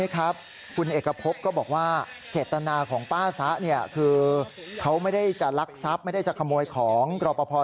คือเขาไม่ได้จะรักทรัพย์ไม่ได้จะขโมยของรอบพอร์